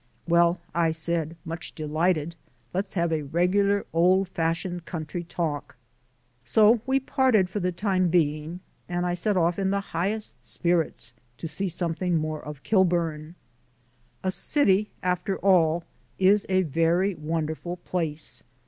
"Well!" I said, much delighted, "let's have a regular old fashioned country talk." So we parted for the time being, and I set off in the highest spirits to see something more of Kilburn. A city, after all, is a very wonderful place.